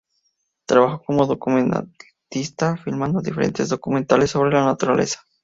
Trabajó como documentalista filmando diferentes documentales sobre la naturaleza.